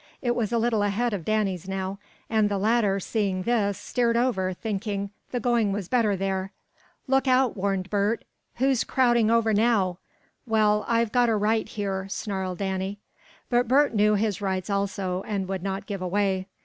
It was a little ahead of Danny's now, and the latter, seeing this, steered over, thinking the going was better there. "Look out!" warned Bert. "Who's crowding over now?" "Well, I've got a right here!" snarled Danny. But Bert knew his rights also, and would not give away.